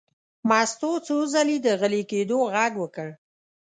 مستو څو ځلې د غلي کېدو غږ وکړ.